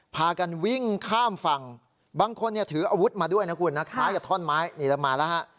พากันวิ่งข้ามฝั่งบางคนเนี่ยถืออาวุธมาด้วยนะคุณนะคล้ายกับท่อนไม้นี่แล้วมาแล้วฮะ